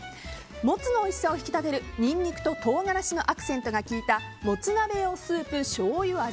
モツのおいしさを引き立てるニンニクと唐辛子のアクセントが効いたもつ鍋用スープ醤油味。